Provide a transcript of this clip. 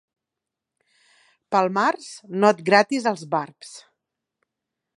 Pel març no et gratis els barbs.